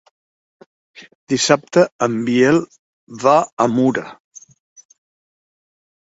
Dissabte en Biel va a Mura.